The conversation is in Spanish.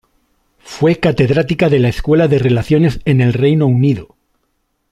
Fue catedrática de la Escuela de Relaciones en el Reino Unido.